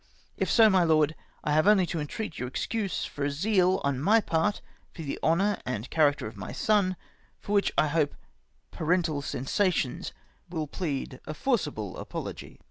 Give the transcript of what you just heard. If so, my Lord, I have only to entreat your excuse for a zeal on my part for the honour and character of my son, for which I hope parental sensations will plead a forcible apology.